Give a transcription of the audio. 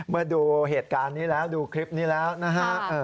ดูเหตุการณ์นี้แล้วดูคลิปนี้แล้วนะฮะ